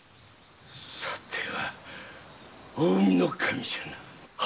さては近江守じゃな。